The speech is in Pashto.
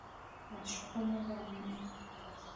معشوقه مې رامنې کړه.